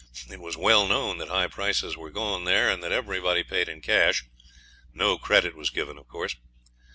It was well known that high prices were going there and that everybody paid in cash. No credit was given, of course.